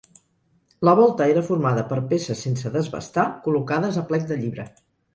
La volta era formada, per peces sense desbastar, col·locades a plec de llibre.